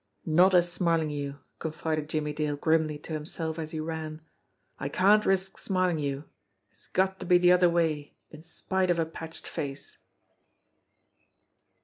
"Not as Smarlinghue," confided Jimmie Dale grimly to himself as he ran. "I can't risk Smarlinghue it's got to be the other way in spite of a patched face."